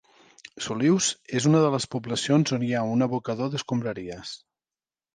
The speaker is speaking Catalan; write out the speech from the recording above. Solius és una de les poblacions on hi ha un abocador d'escombraries.